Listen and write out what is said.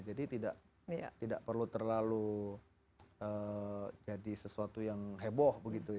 jadi tidak perlu terlalu jadi sesuatu yang heboh begitu ya